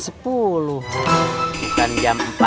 jam empat lewat seperempat